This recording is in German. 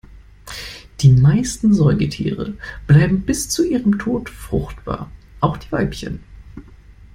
Die meisten Säugetiere bleiben bis zu ihrem Tod fruchtbar, auch die Weibchen.